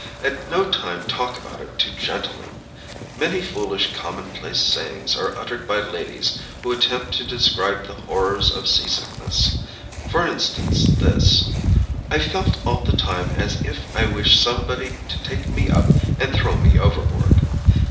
At no time talk about it to gentlemen. Many foolish commonplace sayings are uttered by ladies who attempt to describe the horrors of seasickness. For instance this: "I felt all the time as if I wished somebody to take me up and throw me overboard."